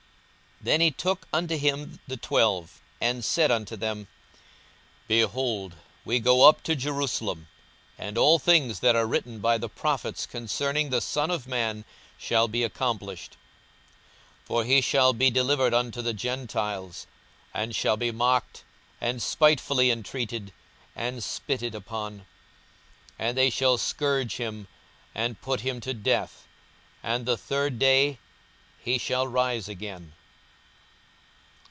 42:018:031 Then he took unto him the twelve, and said unto them, Behold, we go up to Jerusalem, and all things that are written by the prophets concerning the Son of man shall be accomplished. 42:018:032 For he shall be delivered unto the Gentiles, and shall be mocked, and spitefully entreated, and spitted on: 42:018:033 And they shall scourge him, and put him to death: and the third day he shall rise again.